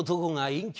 隠居。